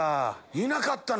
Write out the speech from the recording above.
いなかったの⁉